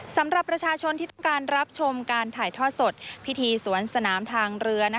สำหรับประชาชนที่ต้องการรับชมการถ่ายทอดสดพิธีสวนสนามทางเรือ